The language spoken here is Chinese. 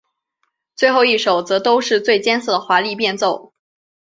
最后一首则都是最艰涩的华丽变奏。